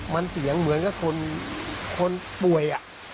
มันเสียงเหมือนกับคนป่วย